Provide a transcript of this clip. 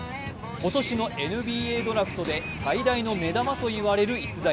今年のＮＢＡドラフトで最大の目玉といわれる逸材。